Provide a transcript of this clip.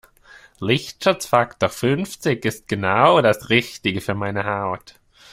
Lichtschutzfaktor fünfzig ist genau das Richtige für meine Haut.